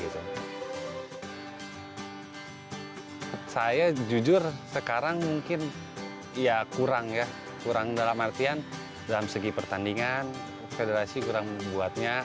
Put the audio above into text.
saya jujur sekarang mungkin kurang dalam artian dalam segi pertandingan federasi kurang membuatnya